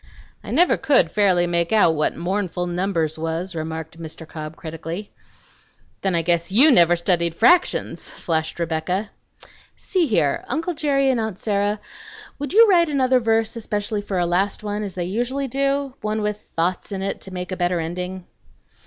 "I never could fairly make out what 'mournful numbers' was," remarked Mr. Cobb critically. "Then I guess you never studied fractions!" flashed Rebecca. "See here, uncle Jerry and aunt Sarah, would you write another verse, especially for a last one, as they usually do one with 'thoughts' in it to make a better ending?"